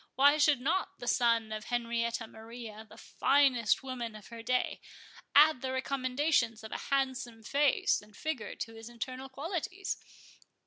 Why should not the son of Henrietta Maria, the finest woman of her day, add the recommendations of a handsome face and figure to his internal qualities?